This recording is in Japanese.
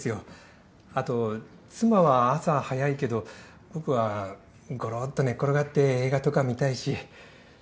後妻は朝早いけど僕はごろっと寝っ転がって映画とか見たいし。